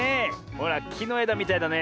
ほらきのえだみたいだねえ。